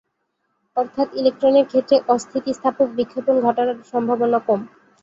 অর্থাৎ ইলেক্ট্রনের ক্ষেত্রে অস্থিতিস্থাপক বিক্ষেপণ ঘটার সম্ভাবনা কম।